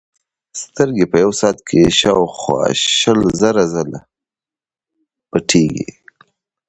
سترګې په یوه ساعت کې شاوخوا شل زره ځلې پټېږي.